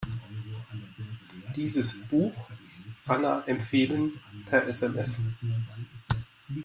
Dieses Buch Anna empfehlen, per SMS.